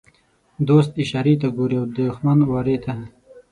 دوست اشارې ته ګوري او دښمن وارې ته.